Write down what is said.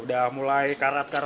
sudah mulai karat karat